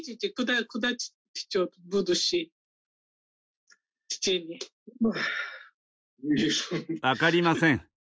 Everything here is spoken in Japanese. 分かりません。